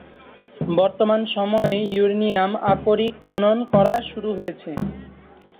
বর্তমান সময়ে ইউরেনিয়াম আকরিক খনন করা শুরু হয়েছে।